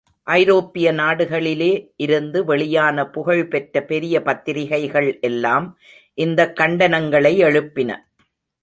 ஐரோப்பிய நாடுகளிலே இருந்து வெளியான புகழ் பெற்ற பெரிய பத்திரிகைகள் எல்லாம் இந்தக் கண்டனங்களை எழுப்பின.